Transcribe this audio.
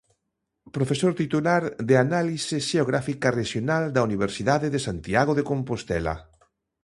Profesor Titular de Análise Xeográfica Rexional da Universidade de Santiago de Compostela.